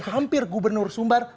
hampir gubernur sumbar